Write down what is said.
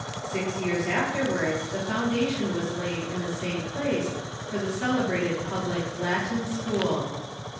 Six years afterwards the foundation was laid in the same place for the celebrated public Latin School.